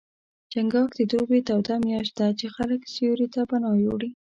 چنګاښ د دوبي توده میاشت ده، چې خلک سیوري ته پناه وړي.